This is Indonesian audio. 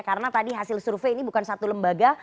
karena tadi hasil survei ini bukan satu lembaga